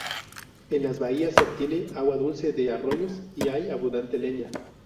En las bahías se obtiene agua dulce de arroyos y hay abundante leña.